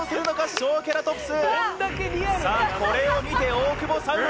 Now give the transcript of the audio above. ショウケラトプス。